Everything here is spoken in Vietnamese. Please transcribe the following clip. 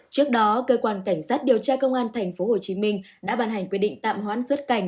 trước đó cơ quan cảnh sát điều tra công an tp hcm đã bàn hành quy định tạm hoãn xuất cảnh